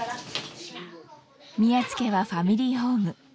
宮津家は「ファミリーホーム」。